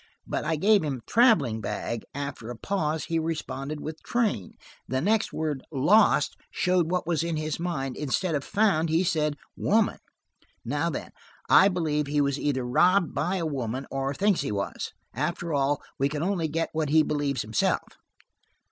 "But I gave him 'traveling bag;' after a pause, he responded with 'train.' The next word, 'lost,' showed what was in his mind; instead of 'found,' he said 'woman.' Now then, I believe he was either robbed by a woman, or thinks he was. After all, we can only get what he believes himself.